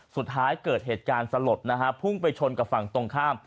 สุดท้ายเกิดเหตุการณ์สลดนะฮะพุ่งไปชนกับฝั่งตรงข้าม